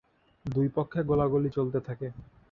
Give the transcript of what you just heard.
দুই পক্ষে গোলাগুলি চলতে থাকে।